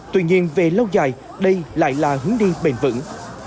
tuy nhiên về lâu dài đây lại là hướng đi bền vững